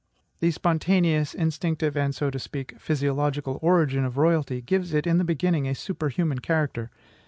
The spontaneous, instinctive, and so to speak physiological origin of royalty gives it, in the beginning, a superhuman character.